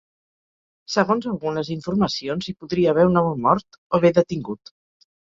Segons algunes informacions hi podria haver un home mort, o bé detingut.